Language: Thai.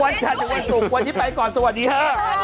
วันจะวันสุกวันที่ไปก่อนสวัสดีเอะ